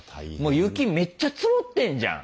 雪めっちゃ積もってんじゃん。